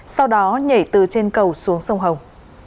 sau đó nhảy từ trên cầu xuống sông hồng